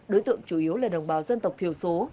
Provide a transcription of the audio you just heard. đối tượng chủ yếu là đồng bào dân tộc thiểu số